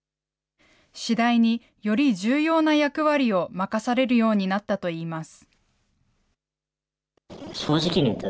次第により重要な役割を任されるようになったといいます。